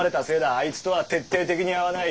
あいつとは徹底的に合わない。